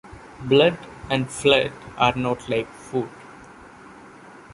Blood and flood are not like food